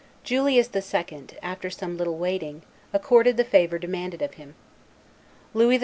Julius II., after some little waiting, accorded the favor demanded of him. Louis XII.